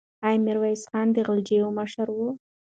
آیا میرویس خان د غلجیو مشر و؟